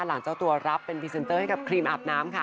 หลังเจ้าตัวรับเป็นพรีเซนเตอร์ให้กับครีมอาบน้ำค่ะ